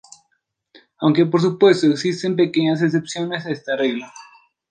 Aunque, por supuesto, existen pequeñas excepciones a esta regla.